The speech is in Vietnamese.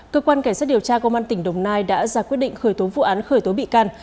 cơ quan cảnh sát điều tra công an tỉnh đồng nai đã ra quyết định khởi tố vụ án khởi tố bị can